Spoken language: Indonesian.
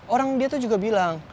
orang dia tuh juga bilang